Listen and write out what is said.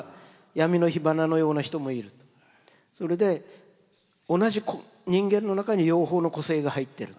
それで同じ人間の中に両方の個性が入ってる。